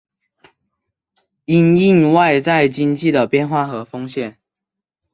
因应外在经济的变化和风险